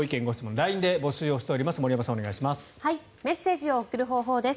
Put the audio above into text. ＬＩＮＥで募集をしております。